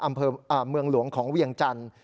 อำเภอเมืองหลวงของเวียงจันทร์